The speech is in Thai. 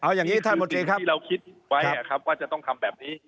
อันนี้คือที่เราคิดไว้จะต้องทำแบบนี้